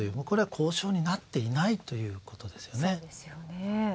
これは交渉になっていないですよね。